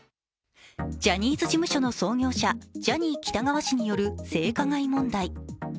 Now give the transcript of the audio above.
ジャニーズ事務所の創業者、ジャニー喜多川氏による性加害問題。